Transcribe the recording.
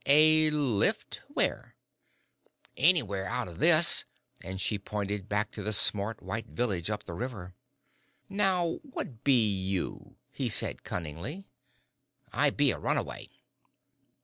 "A lift where?" "Anywhere out o' this," and she pointed back to the smart, white village up the river. "Now what be you?" he said, cunningly. "I be a runaway."